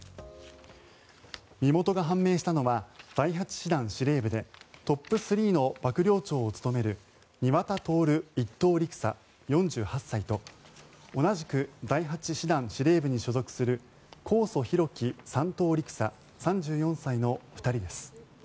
身元が判明したのは第８師団司令部でトップ３の幕僚長を務める庭田徹１等陸佐、４８歳と同じく第８師団司令部に所属する神尊皓基３等陸佐、３４歳の２人です。